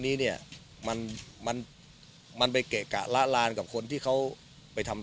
นี้เนี่ยมันมันไปเกะกะละลานกับคนที่เขาไปทำ